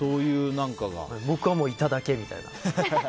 僕は、いただけみたいな。